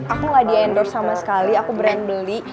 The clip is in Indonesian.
aku gak diendorse sama sekali aku brand beli